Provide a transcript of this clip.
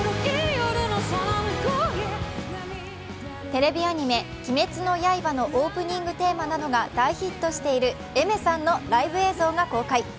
テレビアニメ「鬼滅の刃」のオープニングテーマなとが大ヒットしているＡｉｍｅｒさんのライブ映像が公開。